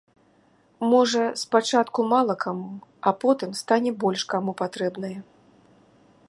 Можа, спачатку мала каму, а потым стане больш каму патрэбнае.